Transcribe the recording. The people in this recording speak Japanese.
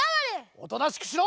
おとなしくしろ！